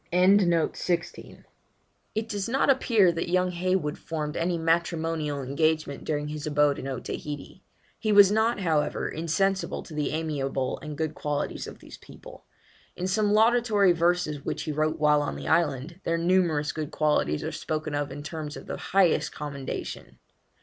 ' It does not appear that young Heywood formed any matrimonial engagement during his abode in Otaheite. He was not, however, insensible to the amiable and good qualities of these people. In some laudatory verses which he wrote while on the island, their numerous good qualities are spoken of in terms of the highest commendation.